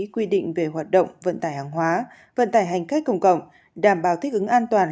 quy định về hoạt động vận tải hàng hóa vận tải hành khách công cộng đảm bảo thích ứng an toàn